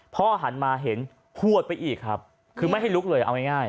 หันมาเห็นหวดไปอีกครับคือไม่ให้ลุกเลยเอาง่าย